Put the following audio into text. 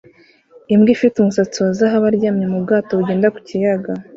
Imbwa ifite umusatsi wa zahabu aryamye mu bwato bugenda ku kiyaga